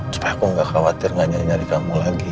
supaya aku gak khawatir gak nyari nyari kamu lagi